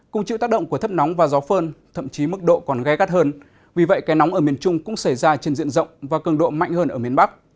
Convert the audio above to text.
cùng chịu tác động của thấp nóng và gió phơn thậm chí mức độ còn ghé gắt hơn vì vậy cái nóng ở miền trung cũng xảy ra trên diện rộng và cường độ mạnh hơn ở miền bắc